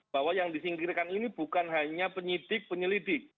bahwa yang disingkirkan ini bukan hanya penyidik penyelidik